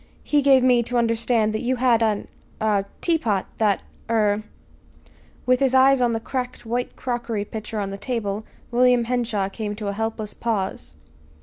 He gave me to understand you had an er teapot that er " With his eyes on the cracked white crockery pitcher on the table, William Henshaw came to a helpless pause.